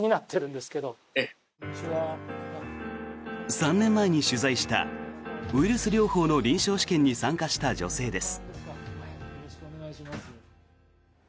３年前に取材したウイルス療法の臨床試験に参加した女性です。